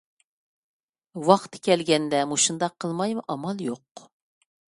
ۋاقتى كەلگەندە مۇشۇنداق قىلمايمۇ ئامال يوق.